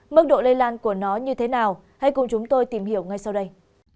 mức độ lây lan của nó như thế nào hãy cùng chúng tôi tìm hiểu ngay sau đây